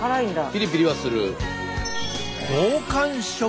ピリピリはする。